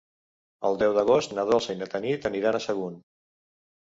El deu d'agost na Dolça i na Tanit aniran a Sagunt.